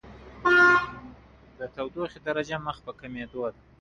Google's PageRank is based on the principle of citation analysis.